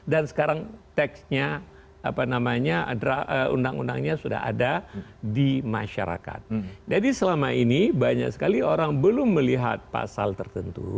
dan sekarang tekstnya undang undangnya sudah ada di masyarakat jadi selama ini banyak sekali orang belum melihat pasal tertentu